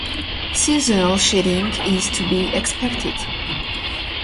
Seasonal shedding is to be expected.